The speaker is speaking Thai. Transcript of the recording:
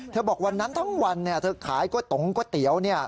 บอกวันนั้นทั้งวันเธอขายก๋วยตงก๋วยเตี๋ยว